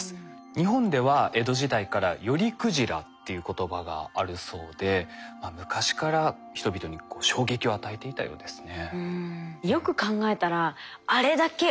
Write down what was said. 日本では江戸時代から寄鯨っていう言葉があるそうで昔から人々に衝撃を与えていたようですね。